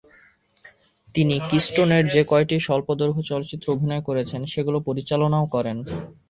তিনি কিস্টোনের যেকয়টি স্বল্পদৈর্ঘ্য চলচ্চিত্রে অভিনয় করেছেন সেগুলো পরিচালনাও করেন।